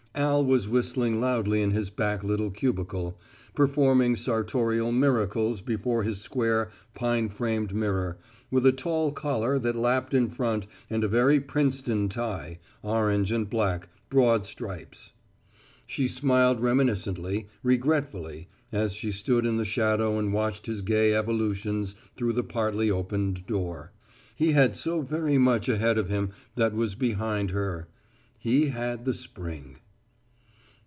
Al was whistling loudly in his back little cubicle, performing sartorial miracles before his square pine framed mirror, with a tall collar that lapped in front and a very Princeton tie, orange and black, broad stripes. She smiled reminiscently, regretfully, as she stood in the shadow and watched his gay evolutions through the partly opened door. He had so very much ahead of him that was behind her. He had the spring.